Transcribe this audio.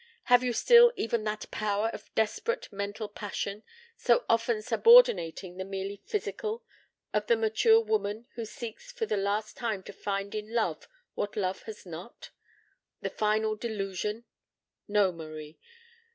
Have you still even that power of desperate mental passion, so often subordinating the merely physical, of the mature woman who seeks for the last time to find in love what love has not? The final delusion. No, Marie.